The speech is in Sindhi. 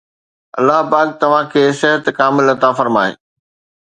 الله پاڪ توهان کي صحت کامل عطا فرمائي